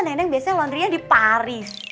neneng biasanya laundry nya di paris